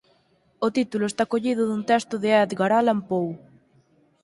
O título está collido dun texto de Edgar Allan Poe.